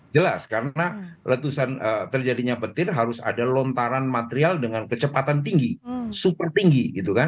jelas karena letusan terjadinya petir harus ada lontaran material dengan kecepatan tinggi super tinggi gitu kan